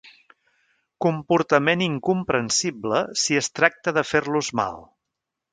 Comportament incomprensible si es tracta de fer-los mal.